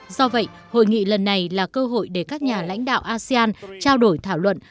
do vậy hội nghị lần này là cơ hội để các nhà lãnh đạo asean trao đổi thảo luận